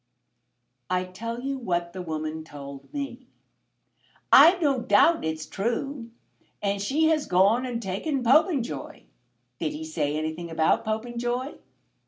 "I tell you what the woman told me." "I've no doubt it's true. And she has gone and taken Popenjoy? Did he say anything about Popenjoy?"